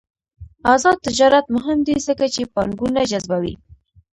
آزاد تجارت مهم دی ځکه چې پانګونه جذبوي.